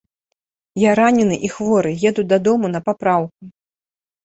Я ранены і хворы, еду дадому на папраўку.